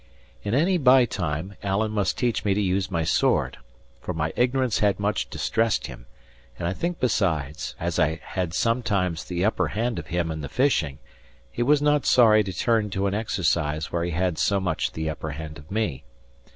In any by time Alan must teach me to use my sword, for my ignorance had much distressed him; and I think besides, as I had sometimes the upper hand of him in the fishing, he was not sorry to turn to an exercise where he had so much the upper hand of me.